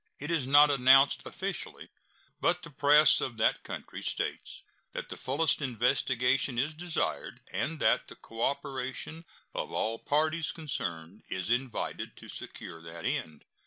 It is not announced officially, but the press of that country states that the fullest investigation is desired, and that the cooperation of all parties concerned is invited to secure that end.